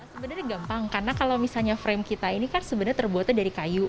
sebenarnya gampang karena kalau misalnya frame kita ini kan sebenarnya terbuatnya dari kayu